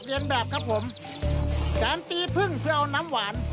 ลอกเลี้ยงแบบครับผมแกนตีพึ่งเพื่อเอาน้ำหวาน